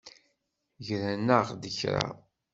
Gran-aɣ-d kra.